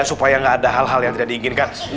supaya nggak ada hal hal yang tidak diinginkan